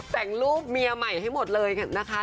แต่งรูปเมียใหม่ให้หมดเลยนะคะ